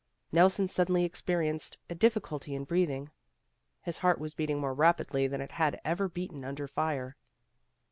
Nelson suddenly experienced a difficulty in breathing. His heart was beating more rapidly than it had ever beaten under fire.